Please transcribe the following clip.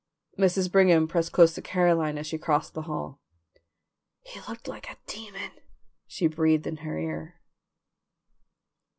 Mrs. Brigham pressed close to Caroline as she crossed the hall. "He looked like a demon!" she breathed in her ear.